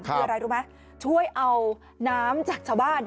คืออะไรรู้ไหมช่วยเอาน้ำจากชาวบ้าน